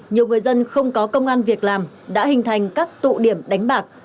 nhiều người dân không có công an việc làm đã hình thành các tụ điểm đánh bạc